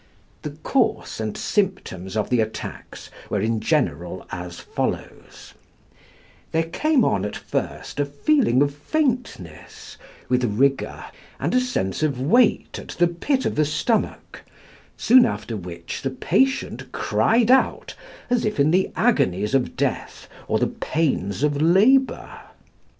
The course and symptoms of the attacks were in general as follows: There came on at first a feeling of faintness, with rigour and a sense of weight at the pit of the stomach, soon after which the patient cried out, as if in the agonies of death or the pains of labour.